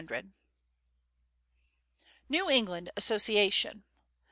6 NEW ENGLAND ASSOCIATION.